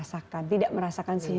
dan bisa merasakan tidak merasakan sendiri